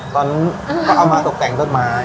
ตอนนั้นก็เอามาตกแต่งท่อนไม้